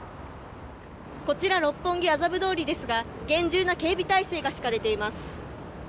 こちら六本木・麻布通りですが厳重な警備態勢が敷かれています。